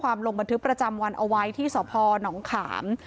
ลงบันทึกประจำวันเอาไว้ที่สพนขาม